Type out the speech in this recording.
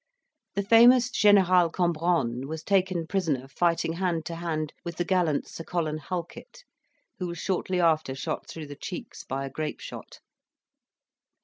The famous General Cambronne was taken prisoner fighting hand to hand with the gallant Sir Colin Halkett, who was shortly after shot through the cheeks by a grape shot.